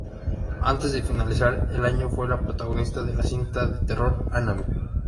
Antes de finalizar el año fue la protagonista de la cinta de terror "Annabelle".